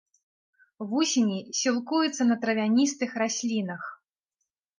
Вусені сілкуюцца на травяністых раслінах.